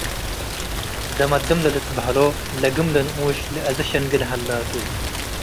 ደመድም ለልትበሀሎ ለግም ለንኡሽ ለአዜ ሸንግል ሀለ ቱ ።